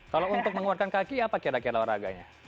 kalau untuk mengeluarkan kaki apa kira kira olahraganya